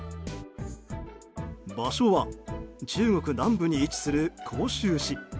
場所は中国南部に位置する広州市。